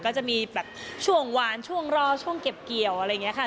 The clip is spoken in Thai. ก็จะมีแบบช่วงหวานช่วงรอช่วงเก็บเกี่ยวอะไรอย่างนี้ค่ะ